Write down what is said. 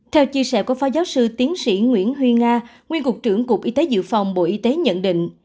theo chia sẻ của phó giáo sư tiến sĩ nguyễn huy nga nguyên cục trưởng cục y tế dự phòng bộ y tế nhận định